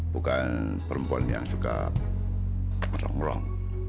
bukan perempuan yang suka ngerong ngerong